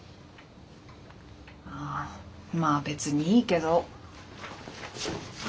ああまあ別にいいけど。